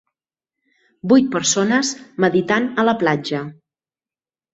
Vuit persones meditant a la platja